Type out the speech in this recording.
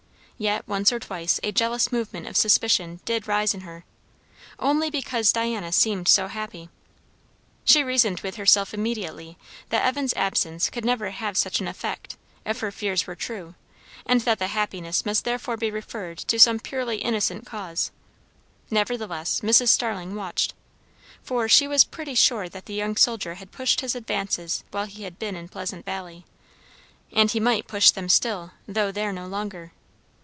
Yet once or twice a jealous movement of suspicion did rise in her, only because Diana seemed so happy. She reasoned with herself immediately that Evan's absence could never have such an effect, if her fears were true; and that the happiness must therefore be referred to some purely innocent cause. Nevertheless, Mrs. Starling watched. For she was pretty sure that the young soldier had pushed his advances while he had been in Pleasant Valley; and he might push them still, though there no longer.